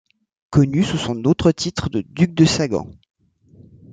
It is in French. Connu sous son autre titre de duc de Sagan.